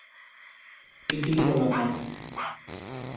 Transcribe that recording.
এটি গোলাকার।